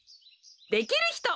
できるひと。